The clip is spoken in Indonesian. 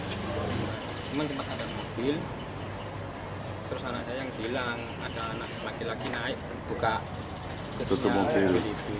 cuman cuma ada mobil terus ada yang bilang ada laki laki naik buka tutup mobil